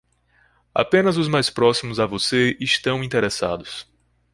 Apenas os mais próximos a você estão interessados.